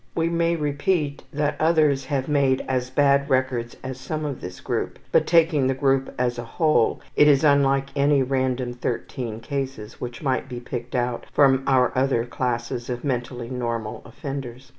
We may repeat that others have made as bad records as some of this group, but taking the group as a whole, it is unlike any random 13 cases which might be picked out from our other classes of mentally normal offenders.